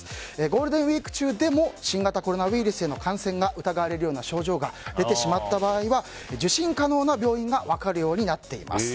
ゴールデンウィーク中でも新型コロナウイルスへの感染が疑われるような症状が出てしまった場合は受診可能な病院が分かるようになっています。